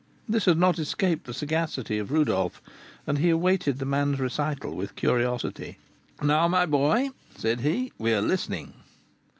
This had not escaped the sagacity of Rodolph, and he awaited the man's recital with curiosity. "Now, my boy," said he, "we are listening."